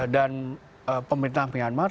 dan pemerintah myanmar